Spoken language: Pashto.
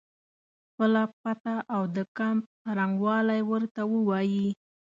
خپله پته او د کمپ څرنګوالی ورته ووایي.